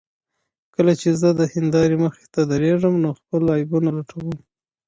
کله چې زه د هندارې مخې ته درېږم نو خپل عیبونه لټوم.